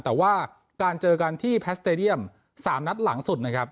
แต่ว่าการเจอกันที่แพสเตดียม๓นัดหลังสุดนะครับ